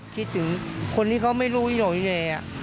คิดถึงคนที่เขาไม่รู้ที่หนูอยู่ไหนอะ